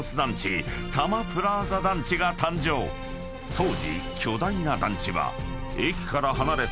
当時］